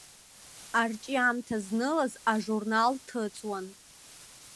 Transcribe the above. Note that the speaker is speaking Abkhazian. Арҿиамҭа знылаз ажурнал ҭыҵуан.